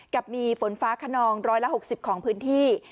กับมีฝนฟ้าขนอง๑๖๐ของพื้นที่